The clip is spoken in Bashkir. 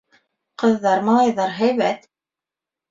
Ҡыҙҙар-малайҙар һәйбәт.